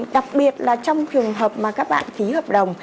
đặc biệt là trong trường hợp mà các bạn ký hợp đồng